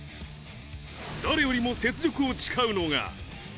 誰よりも雪辱を誓うのが。